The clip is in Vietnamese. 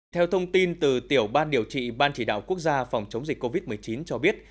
theo thông tin từ tiểu ban điều trị ban chỉ đạo quốc gia phòng chống dịch covid một mươi chín cho biết